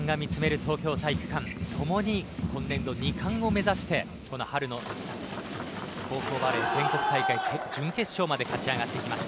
東京体育館ともに、今年度の２冠を目指して春の高校バレー全国大会準決勝まで勝ち上がってきました。